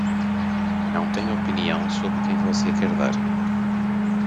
Não tenho opinião sobre quem você quer dar.